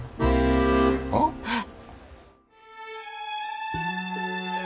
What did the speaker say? あっ？えっ？